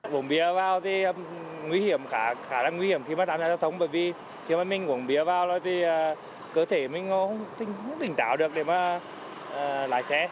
buồn bia vào thì nguy hiểm khá là nguy hiểm khi mà làm giao thông bởi vì khi mà mình buồn bia vào thì cơ thể mình không tỉnh tạo được để mà lái xe